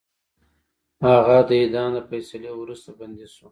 هغه د اعدام د فیصلې وروسته بندي شو.